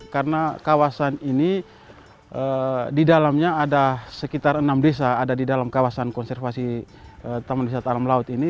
karena kawasan ini di dalamnya ada sekitar enam desa ada di dalam kawasan konservasi taman wisata alam laut ini